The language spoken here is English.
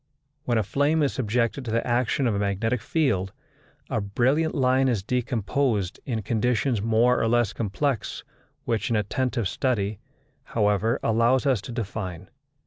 When a flame is subjected to the action of a magnetic field, a brilliant line is decomposed in conditions more or less complex which an attentive study, however, allows us to define.